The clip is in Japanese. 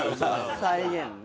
再現ね。